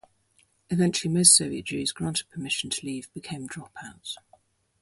Eventually, most Soviet Jews granted permission to leave became dropouts.